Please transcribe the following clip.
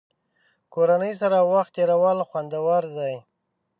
کورنۍ سره وخت تېرول خوندور دي.